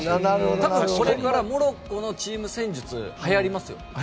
多分これからモロッコのチーム戦術はやりますよ。